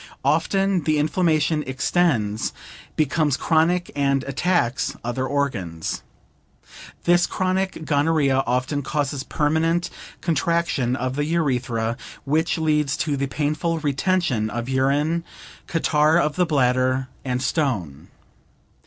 Often the inflammation extends, becomes chronic and attacks other organs. This chronic gonorrhea often causes permanent contraction of the urethra, which leads to the painful retention of urine, catarrh of the bladder, and stone.